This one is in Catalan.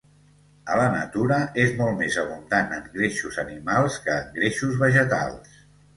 A la natura és molt més abundant en greixos animals que en greixos vegetals.